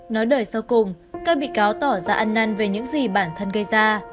nói đời sau cùng các bị cáo tỏ ra ăn năn về những gì bản thân gây ra